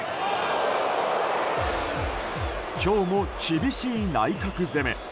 今日も厳しい内角攻め。